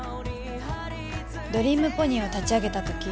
ドリームポニーを立ち上げた時